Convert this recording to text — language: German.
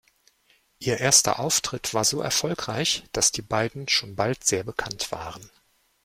Ihr erster Auftritt war so erfolgreich, dass die beiden schon bald sehr bekannt waren.